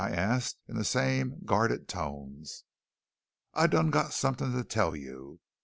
I asked in the same guarded tones. "I done got somefin' to tell you.